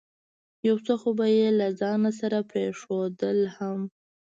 یو څه خو به یې له ځانه سره پرېښودل هم.